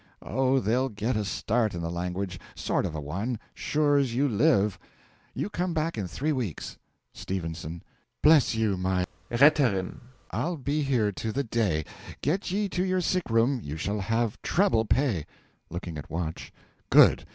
Oh, they'll get a start in the language sort of a one, sure's you live. You come back in three weeks. S. Bless you, my Retterin! I'll be here to the day! Get ye to your sick room you shall have treble pay. (Looking at watch.) Good!